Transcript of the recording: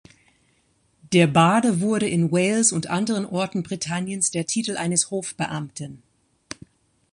Der Barde wurde in Wales und anderen Orten Britanniens der Titel eines Hofbeamten.